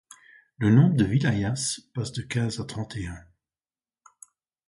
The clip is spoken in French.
Le nombre de wilayas passe de quinze à trente-et-un.